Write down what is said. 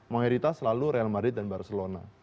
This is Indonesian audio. mayoritas selalu real madrid dan barcelona